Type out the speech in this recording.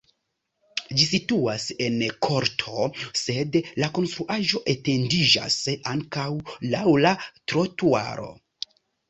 Ĝi situas en korto, sed la konstruaĵo etendiĝas ankaŭ laŭ la trotuaro.